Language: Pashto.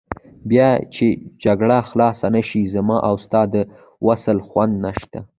بیا چې جګړه خلاصه نه شي، زما او ستا د وصال خوند نشته.